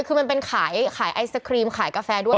คือมันเป็นขายไอศครีมขายกาแฟด้วย